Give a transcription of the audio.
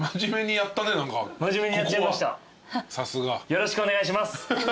よろしくお願いします！